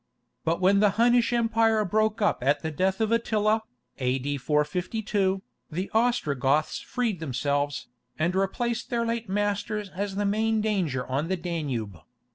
But when the Hunnish Empire broke up at the death of Attila [A.D. 452], the Ostrogoths freed themselves, and replaced their late masters as the main danger on the Danube.